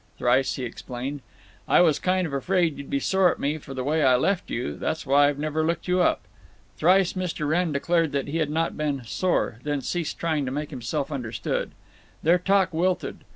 Thrice he explained, "I was kind of afraid you'd be sore at me for the way I left you; that's why I've never looked you up." Thrice Mr. Wrenn declared that he had not been "sore," then ceased trying to make himself understood. Their talk wilted.